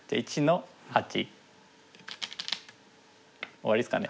終わりですかね。